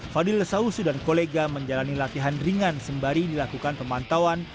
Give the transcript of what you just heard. fadil sausu dan kolega menjalani latihan ringan sembari dilakukan pemantauan